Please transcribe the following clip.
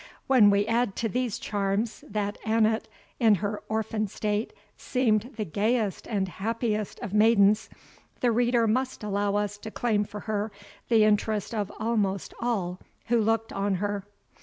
When we add to these charms, that Annot, in her orphan state, seemed the gayest and happiest of maidens, the reader must allow us to claim for her the interest of almost all who looked on her.